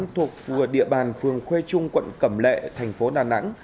thuộc địa bàn phường khuê trung quận cẩm lệ thành phố đà nẵng